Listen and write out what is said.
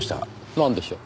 なんでしょう？